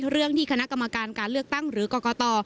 เรื่องที่คณะกรรมการการเลือกตั้งหรือกรกต